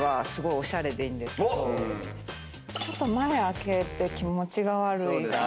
おしゃれでいいんですけどちょっと前開けて気持ちが悪い。